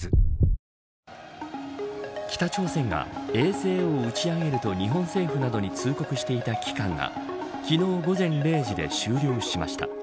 北朝鮮が衛星を打ち上げると日本政府などに通告していた期間が昨日午前０時で終了しました。